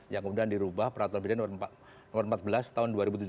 yang kemudian dirubah peraturan presiden nomor empat belas tahun dua ribu tujuh belas